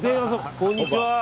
こんにちは。